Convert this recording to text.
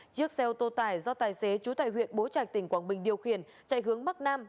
chiếc xe ô tô tải do tài xế chú tại huyện bố trạch tỉnh quảng bình điều khiển chạy hướng bắc nam